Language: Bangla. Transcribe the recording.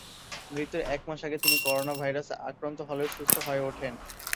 মৃত্যুর একমাস আগে তিনি করোনা ভাইরাসে আক্রান্ত হলেও সুস্থ হয়ে ওঠেন।